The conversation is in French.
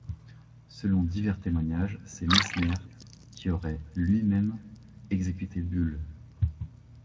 Selon divers témoignages, c'est Meissner qui aurait lui-même exécuté Bulle.